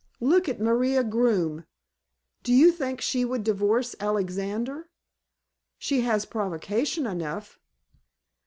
Look at Maria Groome. Do you think she would divorce Alexander? She has provocation enough."